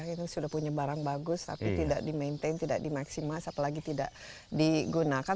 kita sudah punya barang bagus tapi tidak di maintain tidak di maximize apalagi tidak digunakan